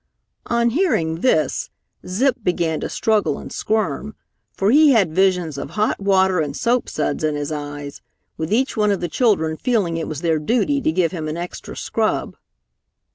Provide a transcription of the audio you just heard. On hearing this, Zip began to struggle and squirm, for he had visions of hot water and soapsuds in his eyes, with each one of the children feeling it was their duty to give him an extra scrub.